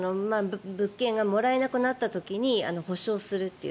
物件がもらえなくなった時に保障するという。